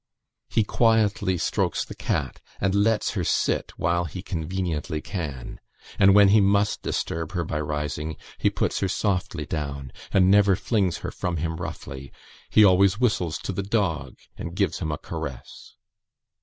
"] "He quietly strokes the cat, and lets her sit while he conveniently can; and when he must disturb her by rising, he puts her softly down, and never flings her from him roughly: he always whistles to the dog, and gives him a caress."